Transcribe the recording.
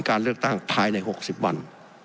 การเลือกตั้งภายใน๖๐วัน